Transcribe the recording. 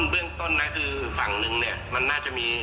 เรื่องต้นคือฝั่งหนึ่งมันน่าจะมี